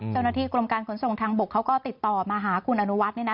เจ้าหน้าที่กรมการขนส่งทางบกเขาก็ติดต่อมาหาคุณอนุวัฒน์